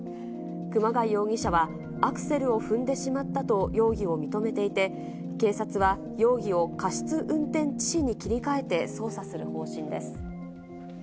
熊谷容疑者はアクセルを踏んでしまったと、容疑を認めていて、警察は、容疑を過失運転致死に切り替えて、捜査する方針です。